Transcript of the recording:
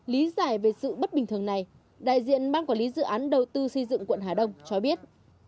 lý giải về sự bất bình thường này đại diện ban quản lý dự án đầu tư xây dựng quận hà đông cho biết